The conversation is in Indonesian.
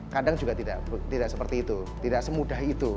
kadang juga tidak seperti itu tidak semudah itu